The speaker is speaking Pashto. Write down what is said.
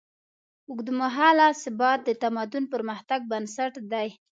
اوږدمهاله ثبات د تمدن د پرمختګ بنسټ دی.